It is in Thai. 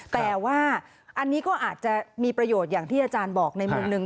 แต่ว่าอันนี้ก็อาจจะมีประโยชน์อย่างที่อาจารย์บอกในมุมหนึ่ง